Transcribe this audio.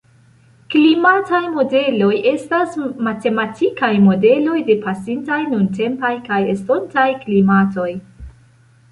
Klimataj modeloj estas matematikaj modeloj de pasintaj, nuntempaj kaj estontaj klimatoj.